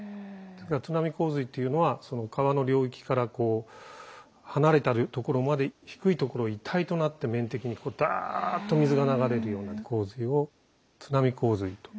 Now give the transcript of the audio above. それから津波洪水というのは川の領域からこう離れたところまで低いところ一体となって面的にダーッと水が流れるような洪水を津波洪水と。